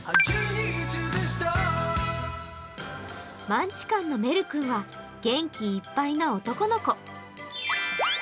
マンチカンのメル君は元気いっぱいの男の子。